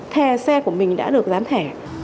thè xe của mình đã được gián thẻ